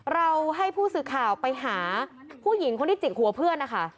เราให้ผู้สื่อข่าวไปหาผู้หญิงคนที่จิกหัวเพื่อนนะคะ